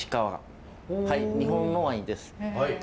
はい日本のワインです。